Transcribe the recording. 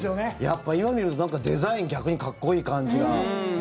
やっぱ今見るとデザイン逆にかっこいい感じが。